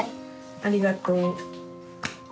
ありがとう。